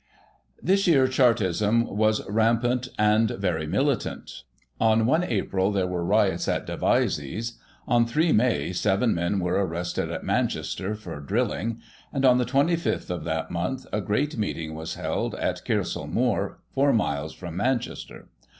This year Chartism vsras rampant and very militant. On I April there were riots at Devizes, on 3 May, seven men were arrested at Manchester for drilling, and, on the 25 th of that month a great meeting was held on Kersall Moor, four miles from Manchester.